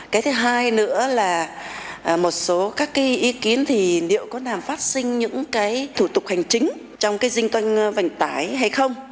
cái thứ hai nữa là một số các ý kiến thì liệu có làm phát sinh những thủ tục hành chính trong dinh toanh vận tải hay không